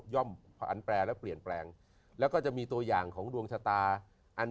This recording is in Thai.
่อมผันแปรและเปลี่ยนแปลงแล้วก็จะมีตัวอย่างของดวงชะตาอัน